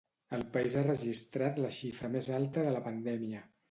El país ha registrat la xifra més alta de la pandèmia.